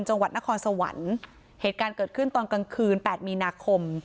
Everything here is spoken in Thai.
จังหวัดนครสวรรค์เหตุการณ์เกิดขึ้นตอนกลางคืนแปดมีนาคม